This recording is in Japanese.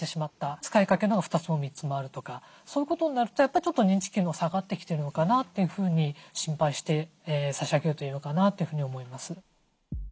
使いかけのが２つも３つもあるとかそういうことになるとやっぱりちょっと認知機能下がってきてるのかなというふうに心配して差し上げるといいのかなというふうに思います。